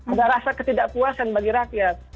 ada rasa ketidakpuasan bagi rakyat